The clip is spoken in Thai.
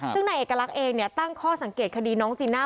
ซึ่งนายเอกลักษณ์เองตั้งข้อสังเกตคดีน้องจีน่า